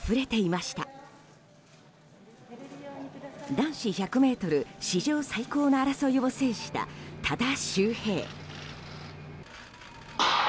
男子１００ｍ史上最高の争いを制した多田修平。